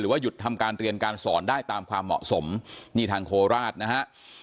ว่าหยุดทำการเรียนการสอนได้ตามความเหมาะสมนี่ทางโคราชนะฮะ